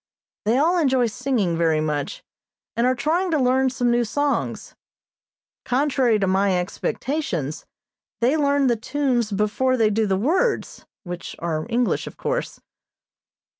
They all enjoy singing very much, and are trying to learn some new songs. Contrary to my expectations, they learn the tunes before they do the words, which are English, of course.